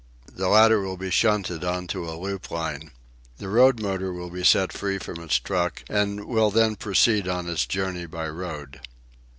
The latter will be shunted on to a loopline. The road motor will be set free from its truck and will then proceed on its journey by road.